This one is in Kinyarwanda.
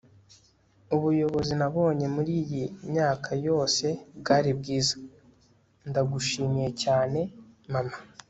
ubuyobozi nabonye muriyi myaka yose bwari bwiza. ndagushimiye cyane, mama